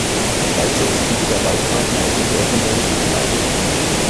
Bald setzten wieder Wallfahrten aus den Dörfern der Umgebung ein.